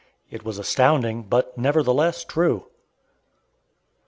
It was astounding, but nevertheless true.